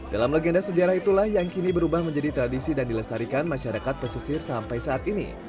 dalam legenda sejarah itulah yang kini berubah menjadi tradisi dan dilestarikan masyarakat pesisir sampai saat ini